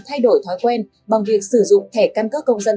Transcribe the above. thay đổi thói quen bằng việc sử dụng thẻ căn cước công dân